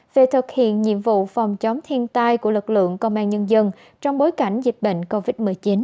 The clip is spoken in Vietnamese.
về thực hiện nhiệm vụ phòng chống thiên tai của lực lượng công an nhân dân trong bối cảnh dịch bệnh covid một mươi chín